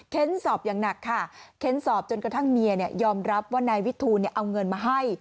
สอบอย่างหนักค่ะเค้นสอบจนกระทั่งเมียยอมรับว่านายวิทูลเอาเงินมาให้